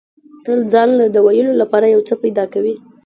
تل ځان له د ویلو لپاره یو څه پیدا کوي.